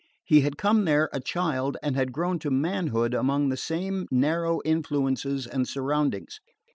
He had come there a child and had grown to manhood among the same narrow influences and surroundings.